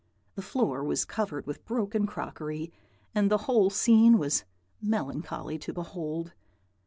The floor was covered with broken crockery, and the whole scene was melancholy to behold.